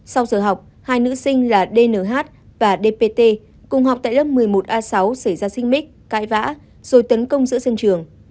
sau giờ học hai nữ sinh là dnh và dpt cùng học tại lớp một mươi một a sáu xảy ra xích mích cãi vã rồi tấn công giữa sân trường